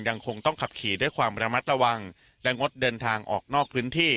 ยังคงต้องขับขี่ด้วยความระมัดระวังและงดเดินทางออกนอกพื้นที่